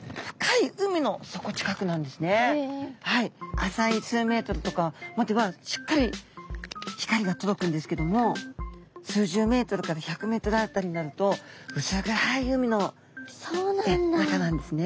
浅い数ｍとかまではしっかり光が届くんですけども数十ｍから１００ｍ辺りになると薄暗い海の中なんですね。